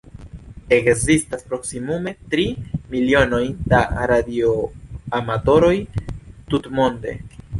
Ekzistas proksimume tri milionoj da radioamatoroj tutmonde.